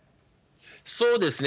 そうですね。